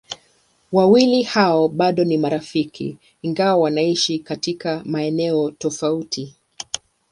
Wawili hao bado ni marafiki ingawa wanaishi katika maeneo tofauti.